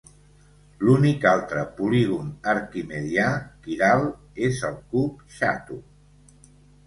L'únic altre polígon arquimedià quiral és el cub xato.